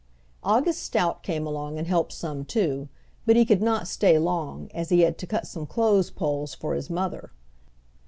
August Stout came along and helped some too, but he could not stay long, as he had to cut some clothes poles for his mother.